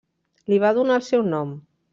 Li va donar el seu nom.